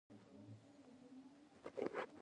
د ډېرو د وس او توان خبره نه وه.